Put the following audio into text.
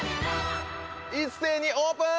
一斉にオープン！